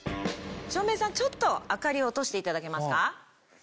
照明さんちょっと明かりを落としていただけますか。